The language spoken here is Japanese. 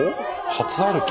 初歩き？